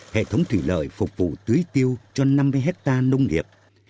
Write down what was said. hệ thống thủy lợi phục vụ tưới tiêu cho năm mươi hectare nông nghiệp